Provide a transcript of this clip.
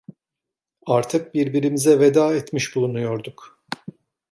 Artık birbirimize veda etmiş bulunuyorduk.